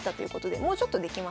もうちょっとできますかね。